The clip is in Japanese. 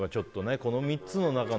この３つの中の。